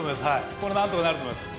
これなんとかなると思います。